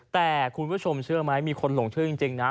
แต่คุณผู้ชมเชื่อไหมมีคนหลงเชื่อจริงนะ